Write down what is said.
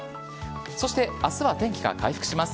そして、あすは天気が回復します。